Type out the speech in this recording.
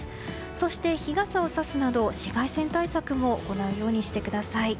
そして日傘をさすなど紫外線対策も行うようにしてください。